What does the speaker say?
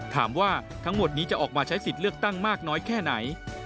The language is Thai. ถามว่าทั้งหมดนี้จะออกมาใช้สิทธิ์เลือกตั้งมากน้อยแค่ไหน